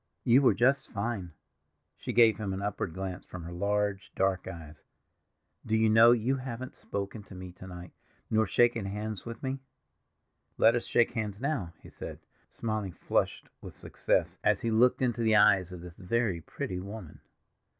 "You were just fine." She gave him an upward glance from her large dark eyes. "Do you know you haven't spoken to me to night, nor shaken hands with me?" "Let us shake hands now," he said, smiling, flushed with success, as he looked into the eyes of this very pretty woman.